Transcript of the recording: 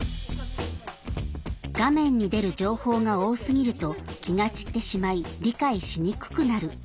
画面に出る情報が多すぎると気が散ってしまい理解しにくくなる。